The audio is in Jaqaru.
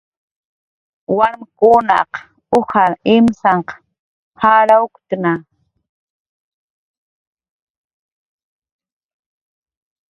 Warmkunaq ujar imsanq jarawuktna